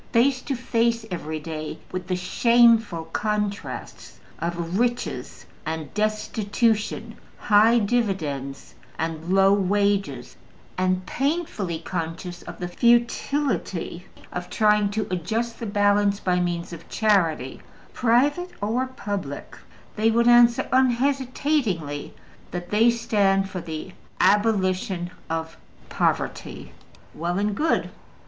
Face to face every day with the shameful contrasts of riches and destitution, high dividends and low wages, and painfully conscious of the futility of trying to adjust the balance by means of charity, private or public, they would answer unhesitatingly that they stand for the ABOLITION OF POVERTY. Well and good!